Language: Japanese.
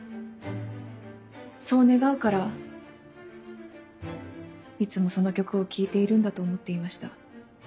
そう願うからいつもその曲を聴いているんだと思っていました。